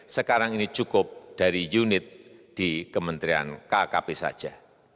sekarang ini cukup dari unit di kementerian kkp saja